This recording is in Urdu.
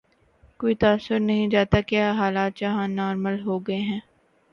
کوئی تاثر نہیں جاتا کہ حالات یہاں نارمل ہو گئے ہیں۔